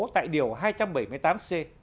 tại điều hai trăm bảy mươi tám c